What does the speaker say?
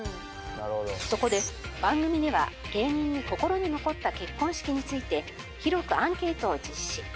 そこで番組では芸人に心に残った結婚式について広くアンケートを実施。